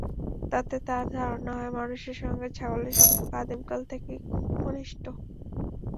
তাতে তাঁর ধারণা হয়, মানুষের সঙ্গে ছাগলের সম্পর্ক আদিমকাল থেকেই খুব ঘনিষ্ঠ।